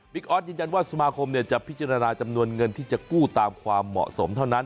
ออสยืนยันว่าสมาคมจะพิจารณาจำนวนเงินที่จะกู้ตามความเหมาะสมเท่านั้น